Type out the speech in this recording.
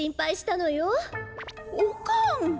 おかん。